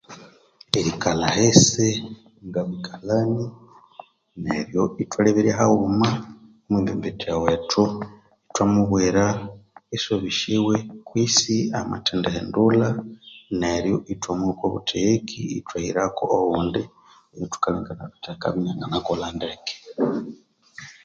Erikalha ahisingabikalhani neryo ethwalheberyaghaghuma omwembembethwa wethu ethwamubwira esyosobyasewe amathendighunduka ethwamwigha okwabutheghithi ethwathekako owundi oyothukalhangirathuthi anganathukolera ndeke